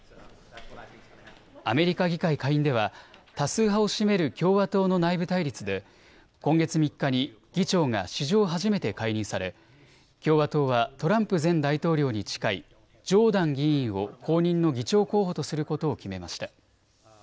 アメリカ議会下院では多数派を占める共和党の内部対立で今月３日に議長が史上初めて解任され共和党はトランプ前大統領に近いジョーダン議員を後任の議長候補とすることを決めました。